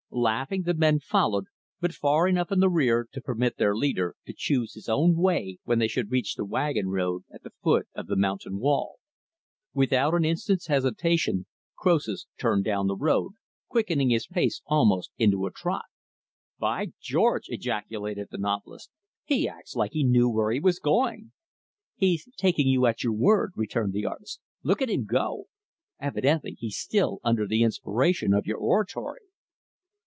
Laughing, the men followed but far enough in the rear to permit their leader to choose his own way when they should reach the wagon road at the foot of the mountain wall. Without an instant's hesitation, Croesus turned down the road quickening his pace, almost, into a trot. "By George!" ejaculated the novelist, "he acts like he knew where he was going." "He's taking you at your word," returned the artist. "Look at him go! Evidently, he's still under the inspiration of your oratory."